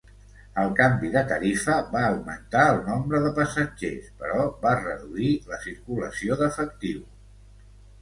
El canvi de tarifa va augmentar el nombre de passatgers però va reduir la circulació d'efectiu.